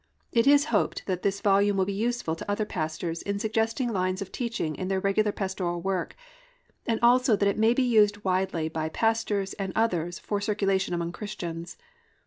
It is hoped that this volume will be useful to other pastors in suggesting lines of teaching in their regular pastoral work, and also that it may be used widely by pastors and others for circulation among Christians.